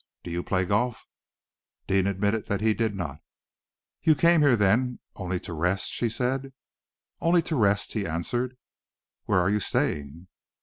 "Do you play golf?" Deane admitted that he did not. "You came here, then, only to rest?" she said. "Only to rest," he answered. "Where are you staying?"